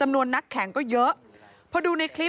มันมีโอกาสเกิดอุบัติเหตุได้นะครับ